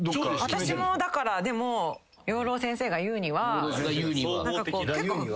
私もだからでも養老先生が言うには。